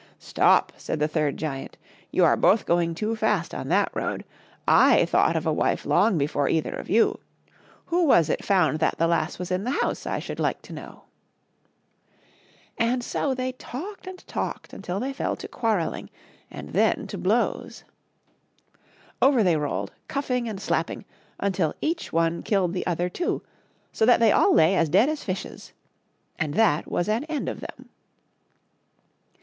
"Stop!" said the third giant. "You are both going too fast on that road. I thought of a wife long before either of you. Who was it found that the lass was in the house, I should like to know !" And so they talked and talked until they fell to quarrelling, and then to blows. Over they rolled, cuffing and slapping, until each one killed the other two, so that they all lay as dead as fishes. And that was an end of them.